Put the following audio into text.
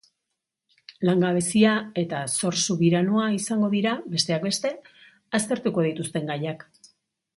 Langabezia eta zor subiranoa izango dira, besteak beste, aztertuko dituzten gaiak.